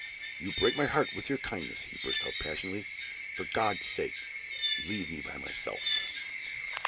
"You break my heart with your kindness," he burst out, passionately. "For God's sake, leave me by my self!"